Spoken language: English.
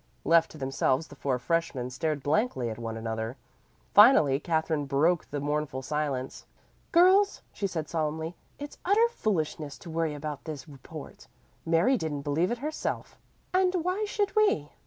Left to themselves the four freshmen stared blankly at one another. Finally Katherine broke the mournful silence. "Girls," she said solemnly, "it's utter foolishness to worry about this report. Mary didn't believe it herself, and why should we?"